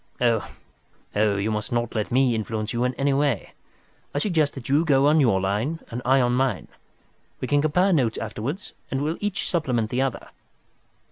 "Oh, you must not let me influence you in any way. I suggest that you go on your line and I on mine. We can compare notes afterwards, and each will supplement the other."